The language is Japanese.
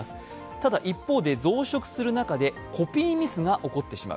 ただ、一方で増殖する中でコピーミスが起こってしまう。